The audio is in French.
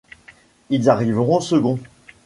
Ils arriveront second.